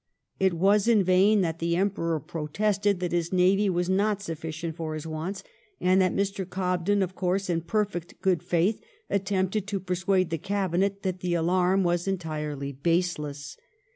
It was in vain that the Emperor protested that his navy was not sufficient for his wants, and that Mr. Cobden, of course in perfect good faith, attempted to persuade the Cabinet that the alarm was entirely baseless.